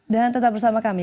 dan tetap bersama kami